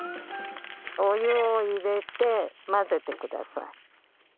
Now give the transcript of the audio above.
お湯を入れて混ぜてください。